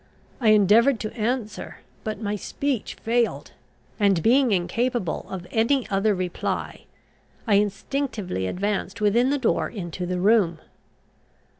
I endeavoured to answer, but my speech failed, and being incapable of any other reply, I instinctively advanced within the door into the room.